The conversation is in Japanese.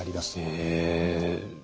へえ。